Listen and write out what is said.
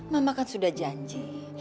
mama kan sudah janji